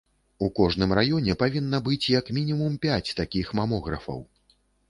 У кожным раёне павінна быць як мінімум пяць такіх мамографаў.